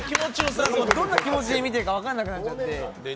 どんな気持ちで見ていいか分からなくなっちゃいまして。